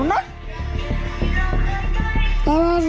แน่นอน